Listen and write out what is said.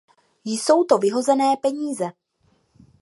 Jsou to vyhozené peníze.